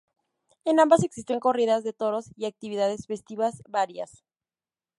En ambas existen corridas de toros y actividades festivas varias.